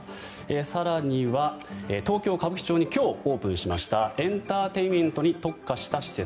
更には、東京・歌舞伎町に今日オープンしましたエンターテインメントに特化した施設。